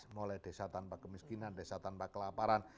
mulai desa tanpa kemiskinan desa tanpa kelaparan